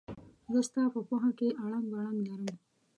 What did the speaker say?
زه ستا په پوهه کې اړنګ بړنګ لرم.